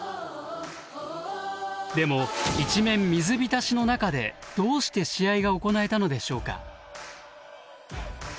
でも一面水浸しの中でどうして試合が行えたのでしょうか？